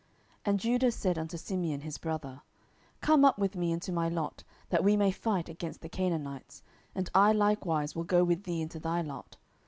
07:001:003 And Judah said unto Simeon his brother, Come up with me into my lot, that we may fight against the Canaanites; and I likewise will go with thee into thy lot.